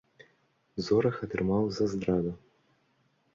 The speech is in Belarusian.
Зорах атрымаў за здраду.